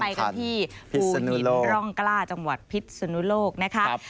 ไปกันที่ภูหินร่องกล้าจังหวัดพิษสุนุโลกนะคะ